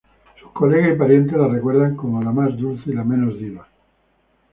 Sus colegas y parientes la recuerdan como la más dulce y la menos diva.